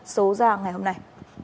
số ra ngày hôm nay